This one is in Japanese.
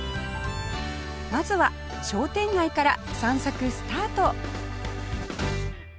まずは商店街から散策スタート